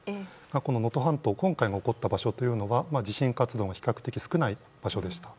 この能登半島今回起こった場所というのは地震活動の比較的少ない場所でした。